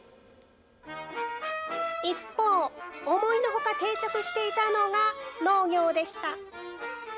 一方、思いのほか定着していたのが農業でした。